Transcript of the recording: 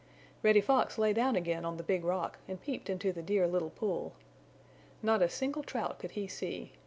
Reddy Fox lay down again on the Big Rock and peeped into the Dear Little Pool. Not a single Trout could he see.